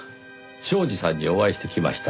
庄司さんにお会いしてきました。